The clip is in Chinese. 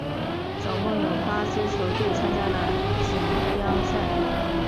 总共有八支球队参加了锦标赛。